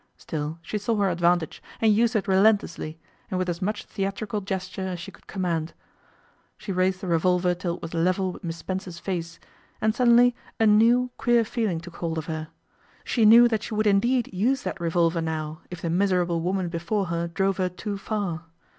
Still, she saw her advantage, and used it relentlessly, and with as much theatrical gesture as she could command. She raised the revolver till it was level with Miss Spencer's face, and suddenly a new, queer feeling took hold of her. She knew that she would indeed use that revolver now, if the miserable woman before her drove her too far.